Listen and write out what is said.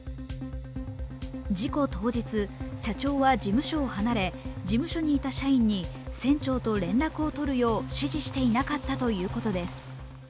事故当日、社長は事務所を離れ、事務所にいた社員に船長と連絡を取るよう指示していなかったということです。